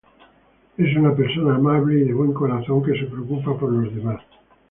Es una persona amable y de buen corazón que se preocupa por los demás.